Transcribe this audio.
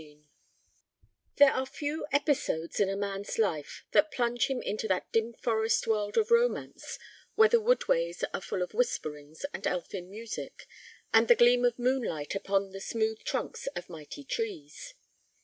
XV There are few episodes in a man's life that plunge him into that dim forest world of romance where the woodways are full of whisperings and elfin music, and the gleam of moonlight upon the smooth trunks of mighty trees.